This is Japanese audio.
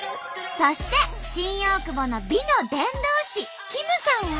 そして新大久保の美の伝道師キムさんは。